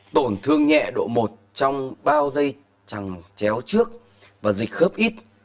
tổn thương nhẹ độ một trong bao dây chẳng chéo trước và dịch khớp ít